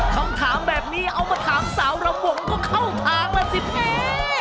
คำถามแบบนี้เอามาถามสาวระบบมันก็เข้าทางแล้วสิพี่